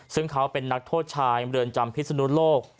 ซึ่งเขาเป็นนักโทษชายเมืองจำพิศนุโลก